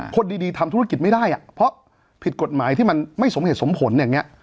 คนดีทำธุรกิจไม่ได้เพราะผิดกฎหมายที่มันไม่สมเหตุสมผลอย่างนี้